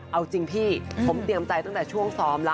เอาจริงพี่ผมเตรียมใจตั้งแต่ช่วงซ้อมแล้ว